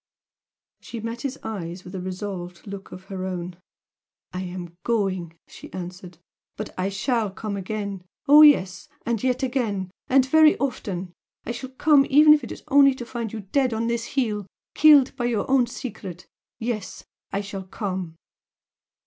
She met his eyes with a resolved look in her own. "I am going!" she answered "But I shall come again. Oh, yes! And yet again! and very often! I shall come even if it is only to find you dead on this hill killed by your own secret! Yes I shall come!"